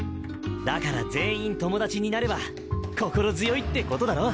だから全員友達になれば心強いってことだろ？